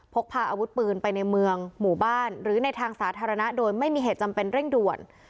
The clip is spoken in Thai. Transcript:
พกพาอาวุธปืนไปในเมืองหมู่บ้านหรือในทางสาธารณะโดยไม่มีเหตุจำเป็นเร่งด่วน